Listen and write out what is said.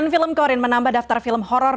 film korean menambah daftar film horror